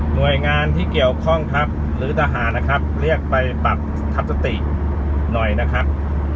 โดยงานที่เกี่ยวข้องครับหรือทหารนะครับเรียกไปปักขัดสติหน่อยนะครับ